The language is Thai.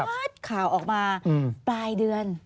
ข่าวออกมาปลายเดือน